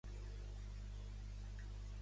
Quants escons tindrien els independentistes?